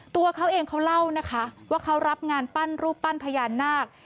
ตัวเขาเองเขาเล่านะคะว่าเขารับงานปั้นรูปปั้นพญานาค